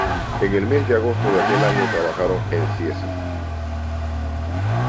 En el mes de agosto de aquel año trabajaron en Cieza.